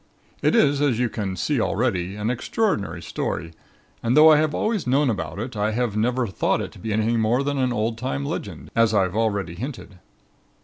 "It is, as you can see already, an extraordinary story and though I have always known about it, I have never thought it to be anything more than an old time legend, as I have already hinted.